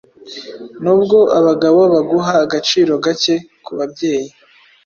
Nubwo abagabo baguha agaciro gake kubabyeyi